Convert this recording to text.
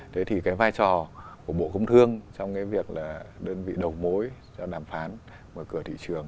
thế thì cái vai trò của bộ công thương trong cái việc là đơn vị đầu mối cho đàm phán mở cửa thị trường